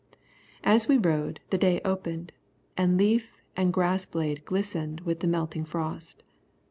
As we rode, the day opened, and leaf and grass blade glistened with the melting frost.